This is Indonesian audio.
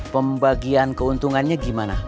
pembagian keuntungannya gimana